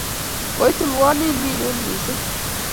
Koi tulwonin mi yun missing'.